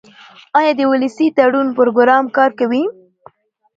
آیا د ولسي تړون پروګرام کار کوي؟